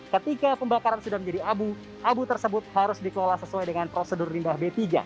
ketika pembakaran sudah menjadi abu abu tersebut harus dikelola sesuai dengan prosedur lidah b tiga